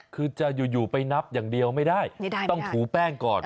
คือจะอยู่ไปนับอย่างเดียวไม่ได้ต้องถูแป้งก่อน